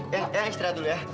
eyang istirahat dulu ya